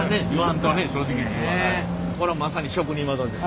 これはまさに職人技です。